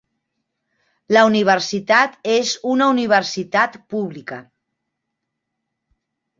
La universitat és una universitat pública.